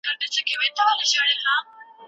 خان محمد پېښوری وايې حاضر نه يو